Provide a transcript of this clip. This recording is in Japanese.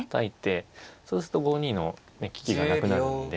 そうすると５二の利きがなくなるんで。